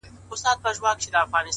پوه انسان د ناپوهۍ منلو جرئت لري؛